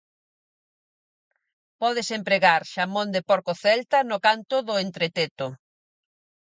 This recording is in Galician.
Pódese empregar xamón de porco celta no canto do entreteto.